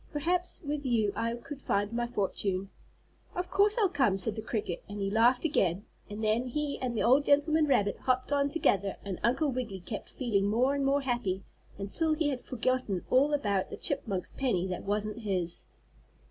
Perhaps with you I could find my fortune." "Of course I'll come," said the cricket, and he laughed again, and then he and the old gentleman rabbit hopped on together and Uncle Wiggily kept feeling more and more happy until he had forgotten all about the chipmunk's penny that wasn't his.